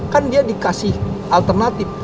kan dia dikasih alternatif